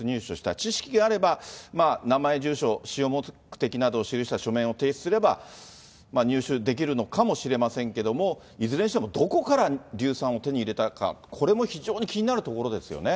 知識があれば、名前、住所、使用目的などを記した書面を提出すれば、入手できるのかもしれませんけれども、いずれにしても、これも非常に気になるところです